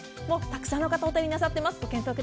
たくさんの方お手になさってます。